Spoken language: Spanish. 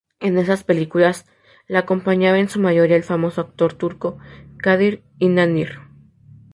En esas películas, la acompañaba en su mayoría el famoso actor turco Kadir İnanır.